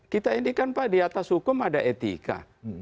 kita indikan pak di atas hukum ada etika